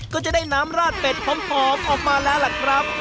ก็จะได้น้ำราดเป็ดหอมออกมาแล้วล่ะครับ